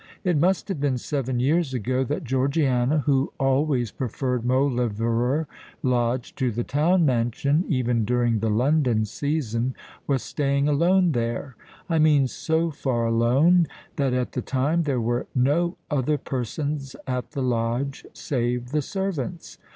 "It must have been seven years ago that Georgiana, who always preferred Mauleverer Lodge to the town mansion—even during the London season,—was staying alone there—I mean so far alone, that at the time there were no other persons at the Lodge save the servants.